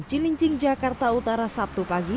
cilincing jakarta utara sabtu pagi